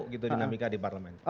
kita tidak pernah tahu gitu dinamika